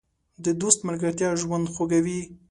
د دوست ملګرتیا ژوند خوږوي.